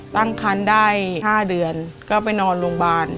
ตั้งคันได้๕เดือนก็ไปนอนโรงพยาบาล